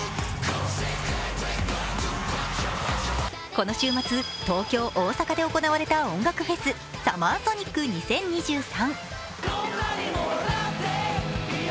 この週末、東京・大阪で行われた音楽フェス、ＳＵＭＭＥＲＳＯＮＩＣ２０２３。